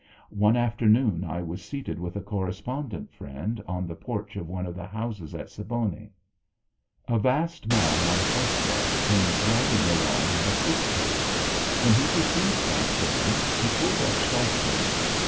One afternoon I was seated with a correspondent friend, on the porch of one of the houses at Siboney. A vast man on horseback came riding along at a foot pace. When he perceived my friend, he pulled up sharply.